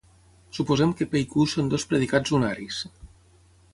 Suposem que "p" i "q" són dos predicats unaris.